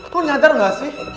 lo nyadar gak sih